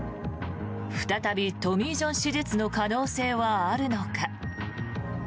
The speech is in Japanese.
再びトミー・ジョン手術の可能性はあるのか。